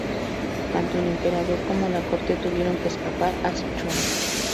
Tanto el emperador como la corte tuvieron que escapar a Sichuan.